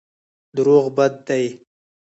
دروغ بد دی.